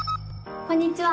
こんにちは。